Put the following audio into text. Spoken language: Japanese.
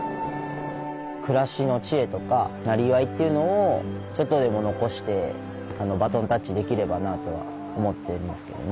暮らしの知恵とかなりわいっていうのをちょっとでも残してバトンタッチできればなとは思ってるんですけどね。